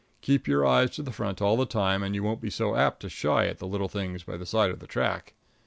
Keep your eyes to the front all the time, and you won't be so apt to shy at the little things by the side of the track.